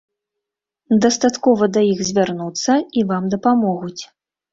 Дастаткова да іх звярнуцца, і вам дапамогуць.